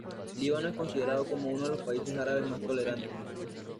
Líbano es considerado como uno de los países árabes más tolerantes.